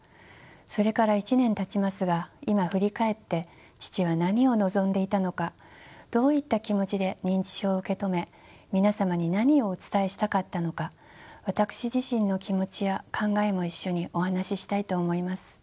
それから１年たちますが今振り返って父は何を望んでいたのかどういった気持ちで認知症を受け止め皆様に何をお伝えしたかったのか私自身の気持ちや考えも一緒にお話ししたいと思います。